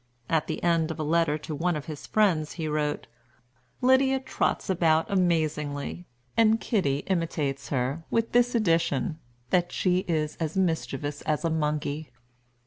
At the end of a letter to one of his friends he wrote: "Lydia trots about amazingly; and Kitty imitates her, with this addition, that she is as mischievous as a monkey."